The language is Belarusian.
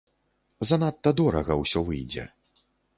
Занадта дорага ўсё выйдзе.